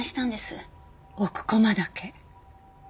奥駒岳。